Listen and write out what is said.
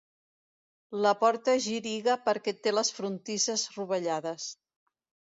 La porta giriga perquè té les frontisses rovellades.